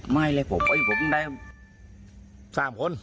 ไม่เลยผมได้๓คน